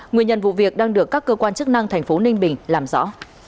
nguyên nhân vụ việc đang được các cơ quan chức năng thành phố ninh bình làm rõ